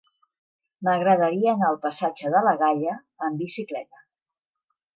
M'agradaria anar al passatge de la Galla amb bicicleta.